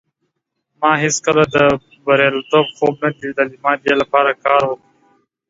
ما هیڅکله د بریالیتوب خوب نه دی لیدلی. ما د دې لپاره کار وکړ.